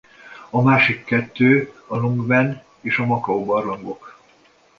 A másik kettő a Lungmen és a Mokao-barlangok.